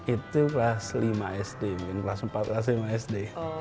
itu kelas lima sd mungkin kelas empat kelas lima sd